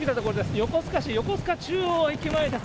横須賀市横須賀中央駅前です。